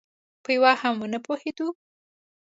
په یوه هم ونه پوهېدو.